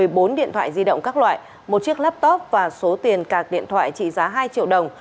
một mươi bốn điện thoại di động các loại một chiếc laptop và số tiền cạc điện thoại trị giá hai triệu đồng